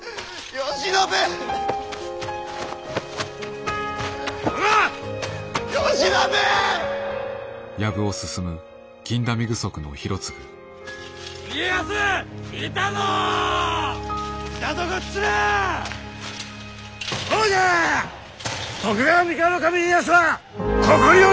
徳川三河守家康はここにおるぞ！